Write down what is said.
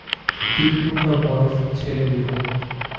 তিন টুকরা বরফ ছেড়ে দিল।